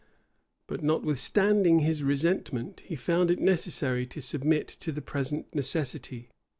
But notwithstanding his resentment, he found it necessary to submit to the present necessity.